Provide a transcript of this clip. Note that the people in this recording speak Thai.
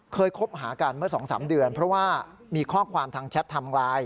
คบหากันเมื่อ๒๓เดือนเพราะว่ามีข้อความทางแชทไทม์ไลน์